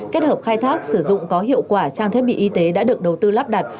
kết hợp khai thác sử dụng có hiệu quả trang thiết bị y tế đã được đầu tư lắp đặt